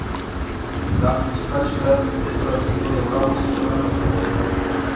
La principal ciudad es Tulancingo de Bravo y su zona metropolitana